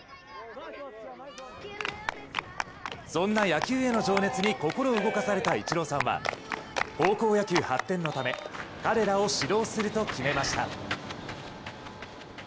そんな野球への情熱に心を動かされたイチローさんは、高校野球発展のため、彼らを指導すると決めました。